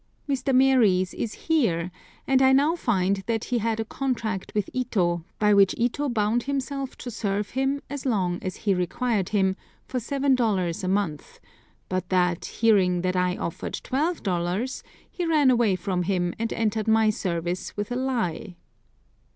Mr. Maries is here, and I now find that he had a contract with Ito, by which Ito bound himself to serve him as long as he required him, for $7 a month, but that, hearing that I offered $12, he ran away from him and entered my service with a lie!